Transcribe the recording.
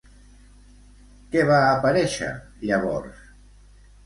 Que va aparèixer, llavors?